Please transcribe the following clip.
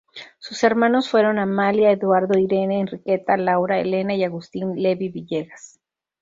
Sus hermanos fueron Amalia, Eduardo, Irene, Enriqueta, Laura, Elena y Agustín Levy Villegas.